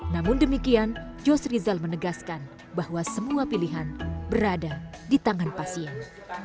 namun demikian jos rizal menegaskan bahwa semua pilihan berada di tangan pasien